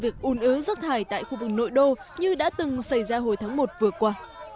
việc uốn ớ rớt thải tại khu vực nội đô như đã từng xảy ra hồi tháng một vừa qua